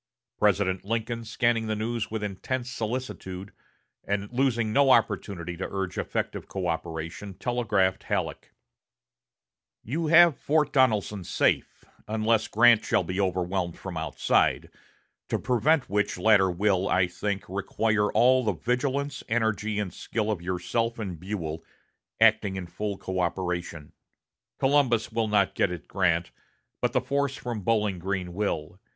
President Lincoln, scanning the news with intense solicitude, and losing no opportunity to urge effective coöperation, telegraphed Halleck: "You have Fort Donelson safe, unless Grant shall be overwhelmed from outside: to prevent which latter will, I think, require all the vigilance, energy, and skill of yourself and Buell, acting in full coöperation. Columbus will not get at Grant, but the force from Bowling Green will.